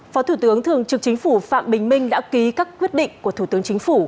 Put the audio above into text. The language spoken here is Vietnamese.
phó thủ tướng thường trực chính phủ phạm bình minh đã ký các quyết định của thủ tướng chính phủ